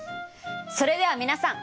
それでは皆さん